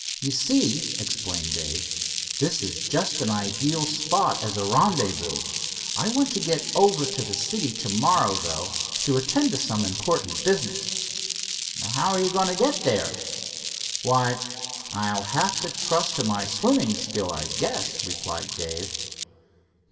You see," explained Dave, "this is just an ideal spot as a rendezvous. I want to get over to the city tomorrow, though, to attend to some important business." "How are you going to get there?" "Why, I'll have to trust to my swimming skill, I guess," replied Dave.